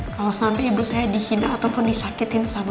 kalau sampai ibu saya dihina ataupun disakitin sama